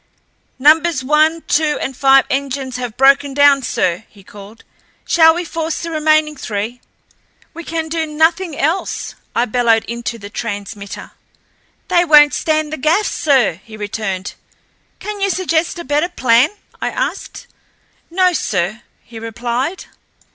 "Numbers one, two, and five engines have broken down, sir," he called. "Shall we force the remaining three?" "We can do nothing else," I bellowed into the transmitter. "They won't stand the gaff, sir," he returned. "Can you suggest a better plan?" I asked. "No, sir," he replied.